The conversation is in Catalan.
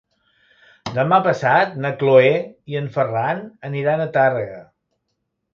Demà passat na Cloè i en Ferran aniran a Tàrrega.